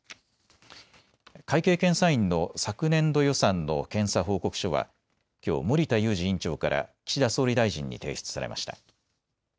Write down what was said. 会計検査院の昨年度予算の検査報告書はきょう森田祐司院長から岸田総理大臣に提出されました。